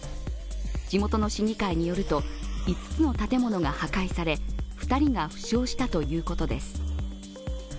地元の市議会によると、５つの建物が破壊され２人が負傷したということです。